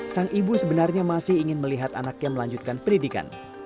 sang ibu sebenarnya masih ingin melihat anaknya melanjutkan pendidikan